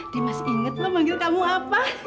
dia masih inget lo manggil kamu apa